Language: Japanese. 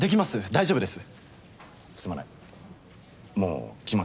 大丈夫です。